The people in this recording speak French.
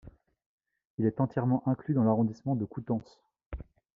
Il est entièrement inclus dans l'arrondissement de Coutances.